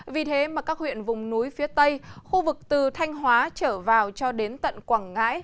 vì thế mà các huyện vùng núi phía tây khu vực từ thanh hóa trở vào cho đến tận quảng ngãi